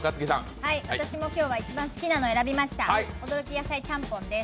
私も今日は一番好きなの選びました、おどろき野菜ちゃんぽんです。